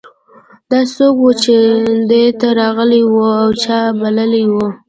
دا څوک و چې دې ته راغلی و او چا بللی و